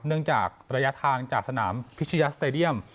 เนื่องจากระยะทางจากสนามพิชยาสเตดียม